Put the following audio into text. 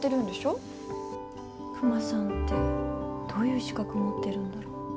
クマさんってどういう資格持ってるんだろ？